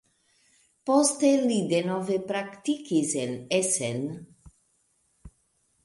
Poste li denove praktikis en Essen.